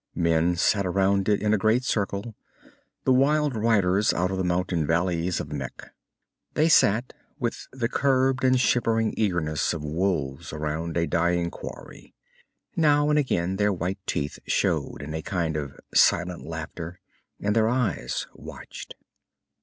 Men sat around it in a great circle, the wild riders out of the mountain valleys of Mekh. They sat with the curbed and shivering eagerness of wolves around a dying quarry. Now and again their white teeth showed in a kind of silent laughter, and their eyes watched.